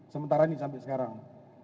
sementara ini sampai sekarang